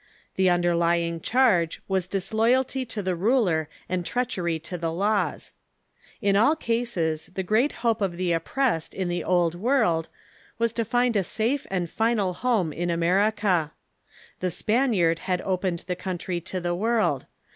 The underlying charge was disloyalty to the ruler and treachery to the laws. In all cases the great hope of the oppressed in the Old World Avas to find a safe and final home in America. The Spaniard had opened the country to the Avorld.